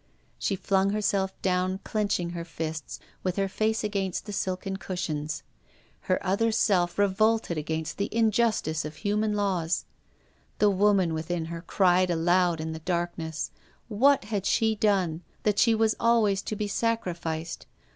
She flung herself down, clenching her fists, with her face against the silken cushions. Her other self revolted against 312 THE BT0R7 OF A MODERN WOMAN. the injustice of human laws. The woman within her cried aloud in the darkness. What had she done that she was always to be sacrificed